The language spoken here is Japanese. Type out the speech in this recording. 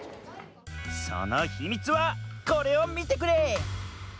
そのヒミツはこれをみてくれ！